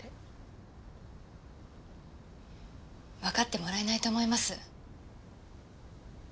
わかってもらえないと思います。